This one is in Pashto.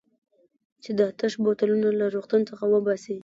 چې دا تش بوتلونه له روغتون څخه وباسي.